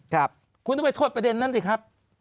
ครับคุณต้องไปโทษประเด็นนั้นสิครับ